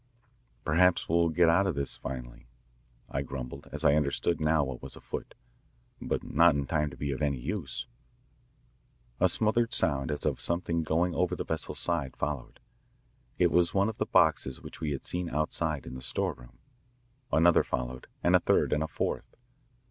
"Perhaps we'll get out of this finally," I grumbled as I understood now what was afoot, "but not in time to be of any use." A smothered sound as of something going over the vessel's side followed. It was one of the boxes which we had seen outside in the storeroom. Another followed, and a third and a fourth.